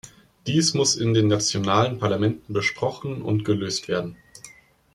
Dies muss in den nationalen Parlamenten besprochen und gelöst werden.